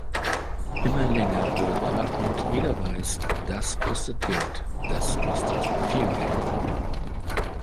Immer länger wird er und jeder weiß, das kostet Geld, das kostet viel Geld.